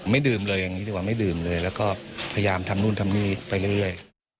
ดื่มเลยอย่างนี้ดีกว่าไม่ดื่มเลยแล้วก็พยายามทำนู่นทำนี่ไปเรื่อย